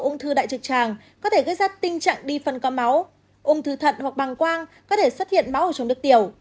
nếu có máu ung thư thận hoặc bằng quang có thể xuất hiện máu ở trong nước tiểu